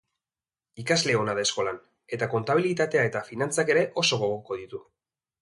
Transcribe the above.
Ikasle ona da eskolan eta kontabilitatea eta finanatzak ere oso gogoko ditu.